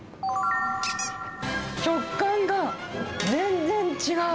食感が全然違う。